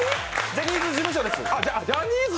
ジャニーズ事務所です。